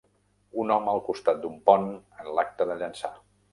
Un home al costat d'un pont en l'acte de llançar.